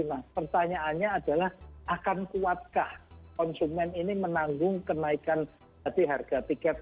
nah pertanyaannya adalah akan kuatkah konsumen ini menanggung kenaikan harga tiket